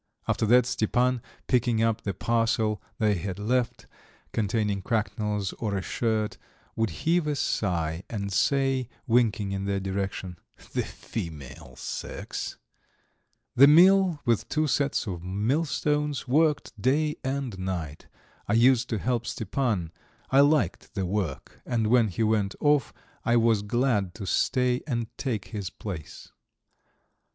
After that Stepan, picking up the parcel they had left, containing cracknels or a shirt, would heave a sigh and say, winking in their direction: "The female sex!" The mill with two sets of millstones worked day and night. I used to help Stepan; I liked the work, and when he went off I was glad to stay and take his place.